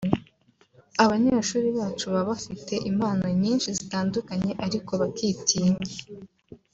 “Abanyeshuri bacu baba bafite impano nyinshi zitandukanye ariko bakitinya